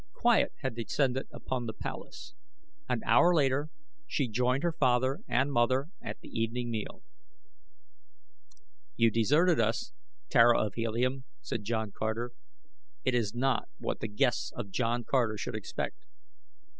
Quiet had descended upon the palace. An hour later she joined her father and mother at the evening meal. "You deserted us, Tara of Helium," said John Carter. "It is not what the guests of John Carter should expect."